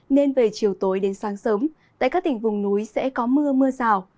nên về chiều tối đến sáng sớm tại các tỉnh vùng núi sẽ có mưa mưa rào